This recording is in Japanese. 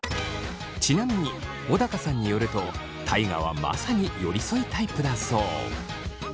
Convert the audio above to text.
ちなみに小高さんによると大我はまさに寄り添いタイプだそう。